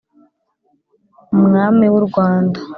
Umwami w'u Rwanda